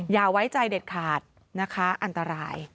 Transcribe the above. อย่าไว้ใจเด็ดขาดนะคะอันตราย